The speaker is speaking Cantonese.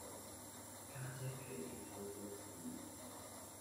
家姐脾氣臭過屎